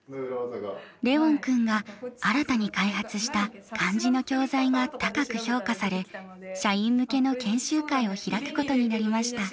レウォン君が新たに開発した漢字の教材が高く評価され社員向けの研修会を開くことになりました。